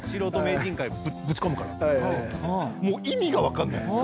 もう意味が分かんないんですよ。